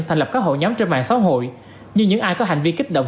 thành lập các hội nhóm trên mạng xã hội như những ai có hành vi kích động